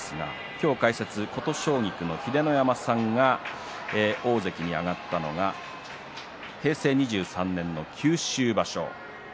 今日解説の琴奨菊の秀ノ山さんは大関に上がったのが平成２３年の九州場所。